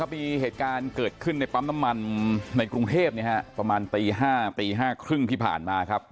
มีเหตุการณ์เกิดขึ้นในปั๊มน้ำมันในกรุงเทพประมาณตี๕ตี๕๓๐ที่ผ่านมาครับ